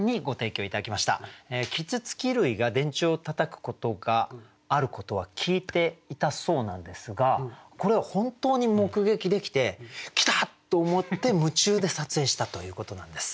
啄木鳥類が電柱をたたくことがあることは聞いていたそうなんですがこれは本当に目撃できて「来た！」と思って夢中で撮影したということなんです。